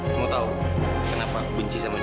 kamu tau kenapa aku benci sama dia